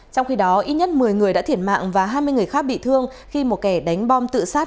trong khi đó ít nhất một mươi người đã thiệt mạng và hai mươi người khác bị thương khi một kẻ đánh bom tự sát